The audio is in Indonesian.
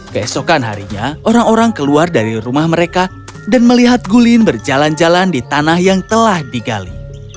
keesokan harinya orang orang keluar dari rumah mereka dan melihat gulin berjalan jalan di tanah yang telah digali